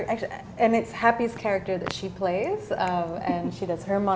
dan itu karakter yang paling senang dia main